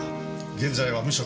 現在は無職。